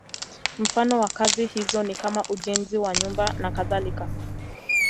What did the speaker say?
Mfano wa kazi hizo ni kama ujenzi wa nyumba nakadhalika.